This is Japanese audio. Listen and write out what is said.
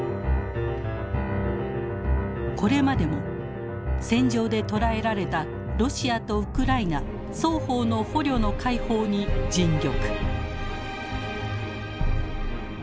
これまでも戦場で捕らえられたロシアとウクライナ双方の捕虜の解放に尽力。